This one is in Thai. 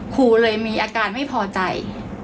ครูเลยมีอาการไม่พอใจ